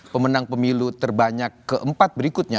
pemenang pemilu terbanyak keempat berikutnya